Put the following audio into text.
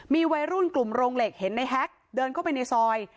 มีวัยรุ่นกลุ่มโรงเหล็กเห็นในแฮกเดินเข้าไปในซอย